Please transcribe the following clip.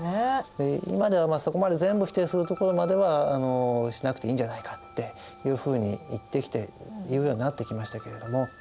で今ではそこまで全部否定するところまではしなくていいんじゃないかっていうふうにいってきていうようになってきましたけれども。